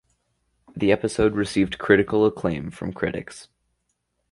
The episode received critical acclaim from critics.